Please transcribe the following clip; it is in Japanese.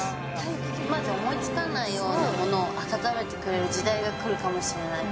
今じゃ思いつかないような物を温めてくれる時代が来るかもしれない。